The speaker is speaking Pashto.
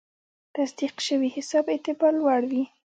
د تصدیق شوي حساب اعتبار لوړ وي.